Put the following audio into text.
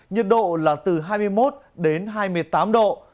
nhiệt độ là từ hai mươi một hai mươi tám độ